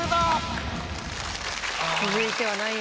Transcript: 続いては何位を。